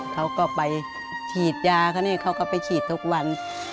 เขาก็ไปฉีดยาเขานี่เขาก็ไปฉีดทุกวัน